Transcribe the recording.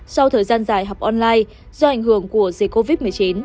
sau thời gian dài học online do ảnh hưởng của dịch covid một mươi chín